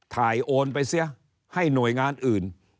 โอนไปเสียให้หน่วยงานอื่น